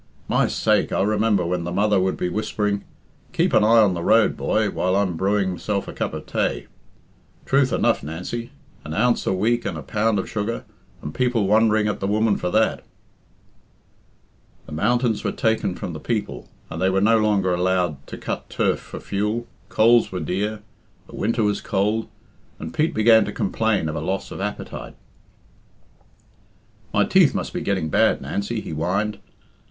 My sake, I remember when the mother would be whispering, 'Keep an eye on the road, boy, while I'm brewing myself a cup of tay.' Truth enough, Nancy. An ounce a week and a pound of sugar, and people wondering at the woman for that." The mountains were taken from the people, and they were no longer allowed "to cut turf for fuel; coals were dear, the winter was cold, and Pete began to complain of a loss of appetite. "My teeth must be getting bad, Nancy," he whined.